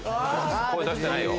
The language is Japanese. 声出してないよ。